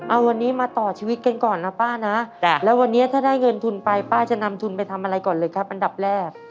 เอาวันนี้มาต่อชีวิตกันก่อนนะป้านะแล้ววันนี้ถ้าได้เงินทุนไปป้าจะนำทุนไปทำอะไรก่อนเลยครับอันดับแรก